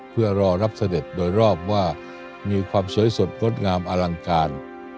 เพื่อรอรับเสด็จโดยรอบว่ามีความสวยสดงดงามอลังการ